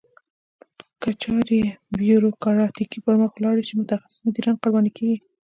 که چارې بیوروکراتیکي پرمخ ولاړې شي متخصص مدیران قرباني کیږي.